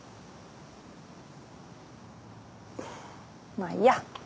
まあいいや。